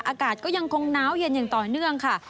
อากาศก็ยังคงน้าวเย็นอย่างต่อเนื่องค่ะ